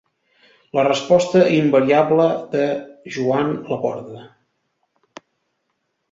La resposta invariable de Joan Laporta.